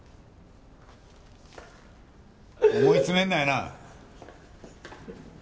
思い詰めんなよなあ。